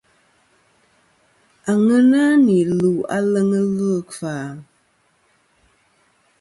Àŋena nì lù aleŋ ɨlvɨ ikfa.